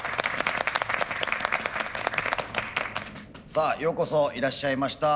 さあようこそいらっしゃいました。